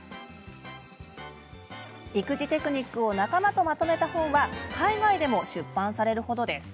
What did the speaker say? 育児テクニックを仲間とまとめた本は海外でも出版される程です。